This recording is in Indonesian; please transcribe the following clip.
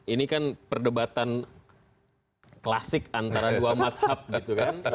ini kan perdebatan klasik antara dua maksimal